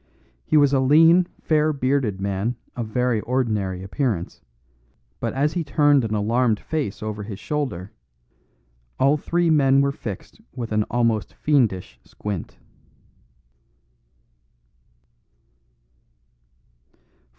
He was a lean fair bearded man of very ordinary appearance, but as he turned an alarmed face over his shoulder, all three men were fixed with an almost fiendish squint.